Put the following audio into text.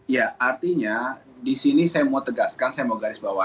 ya artinya di sini saya mau tegaskan saya mau garis bawah